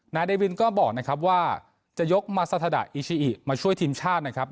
เดวินก็บอกนะครับว่าจะยกมาซาทาดะอิชิอิมาช่วยทีมชาตินะครับ